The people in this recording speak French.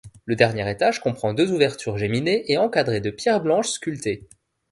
Le dernier étage comprend deux ouvertures géminées et encadrées de pierres blanches sculptées.